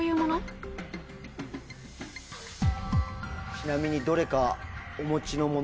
ちなみにどれか。